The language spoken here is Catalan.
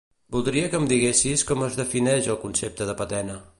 Voldria que em diguessis com es defineix el concepte de patena.